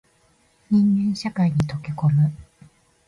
人間社会に溶け込む